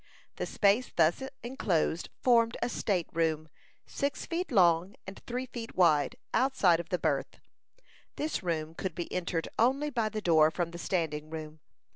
The space thus enclosed formed a state room, six feet long and three feet wide, outside of the berth. This room could be entered only by the door from the standing room.